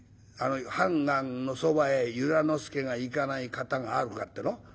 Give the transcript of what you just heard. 判官のそばへ由良之助が行かない型があるかってえの？